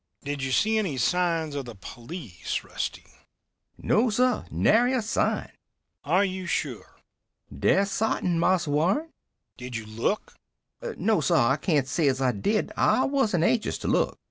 "Did you see any signs of the police, Rusty?" "No, sir. Nary a sign." "Are you sure?" "Dead sartin, Marse Warren." "Did you look?" "No, sir. I cain't say as I did. I wasn't anxious to look."